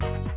chỉ là bạn